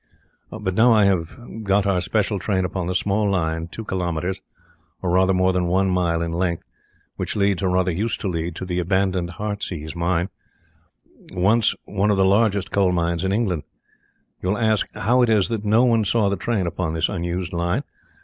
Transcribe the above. "But now I have got our special train upon the small line two kilometres, or rather more than one mile, in length, which leads, or rather used to lead, to the abandoned Heartsease mine, once one of the largest coal mines in England. You will ask how it is that no one saw the train upon this unused line.